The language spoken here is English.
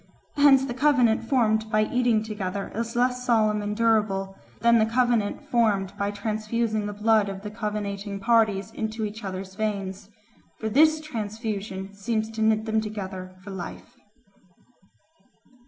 Hence the covenant formed by eating together is less solemn and durable than the covenant formed by transfusing the blood of the covenanting parties into each other's veins, for this transfusion seems to knit them together for life.